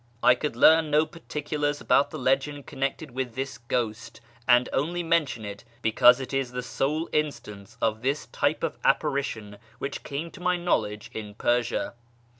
I could learn no particulars about the legend connected with this ghost, and only mention it because it is the sole instance of this type of apparition which came to my knowledge in Persia.